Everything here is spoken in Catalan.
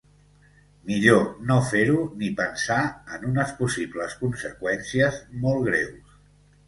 Millor no fer-ho ni pensar en unes possibles conseqüències molt greus.